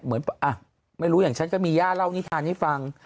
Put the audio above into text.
เหมือนอ่ะไม่รู้อย่างฉันก็มีย่าเล่านิทานให้ฟัง